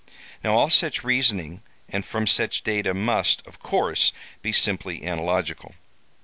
Now, all such reasoning and from such data must, of course, be simply analogical.